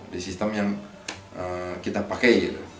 di sistem yang kita pakai